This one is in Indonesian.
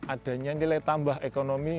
adanya nilai tambah ekonomi